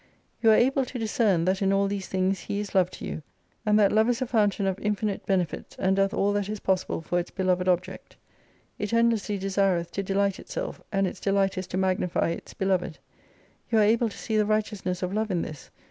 You are able to discern, that m all these things He is Love to you ; and that Love is a 98 fountain of infinite benefits, and doth all that is possible for its beloved object. It endlessly desireth to delight itself, and its delight is to magnify its beloved. You are able to see the righteousness of Love in this.